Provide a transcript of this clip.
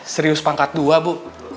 serius pangkat dua bu